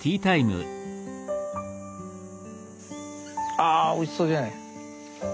あおいしそうじゃない。